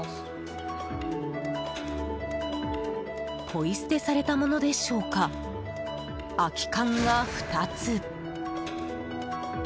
ポイ捨てされたものでしょうか空き缶が２つ。